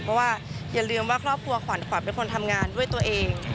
เพราะว่าอย่าลืมว่าครอบครัวขวัญขวัญเป็นคนทำงานด้วยตัวเอง